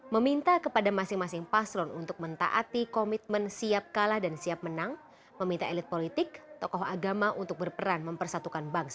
meminta kepada masing masing paslon untuk mentaati komitmen siap kalah dan siap menang meminta elit politik tokoh agama untuk berperan mempersatukan bangsa